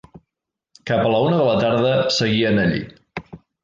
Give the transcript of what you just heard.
Cap a la una de la tarda seguien allí.